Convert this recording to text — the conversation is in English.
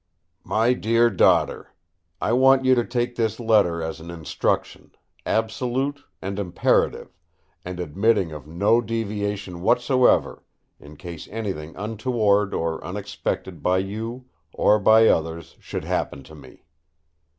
"MY DEAR DAUGHTER, I want you to take this letter as an instruction—absolute and imperative, and admitting of no deviation whatever—in case anything untoward or unexpected by you or by others should happen to me.